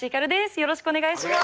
よろしくお願いします。